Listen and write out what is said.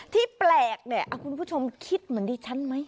ที่แปลกเนี่ยคุณผู้ชมคิดเหมือนดิฉันไหม